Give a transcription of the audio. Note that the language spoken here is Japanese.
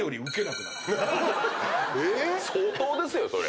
相当ですよそれ。